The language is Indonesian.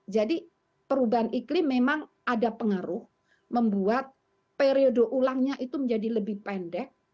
jadi perubahan iklim memang ada pengaruh membuat periode ulangnya itu menjadi lebih pendek